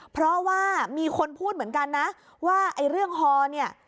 เพราะว่ามีคนพูดเหมือนกันนะว่าไอ้เรื่องฮอเนี่ย